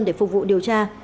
để phục vụ điều tra